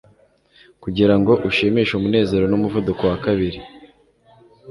kugira ngo ushimishe umunezero n'umuvuduko wa kabiri